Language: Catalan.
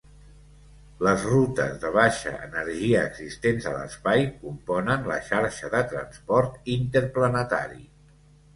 Les rutes de baixa energia existents a l'espai componen la Xarxa de Transport Interplanetari.